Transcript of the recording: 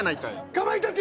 かまいたち！